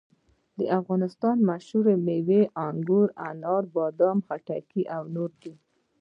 د افغانستان مشهورې مېوې انګور، انار، بادام، خټکي او نورې دي.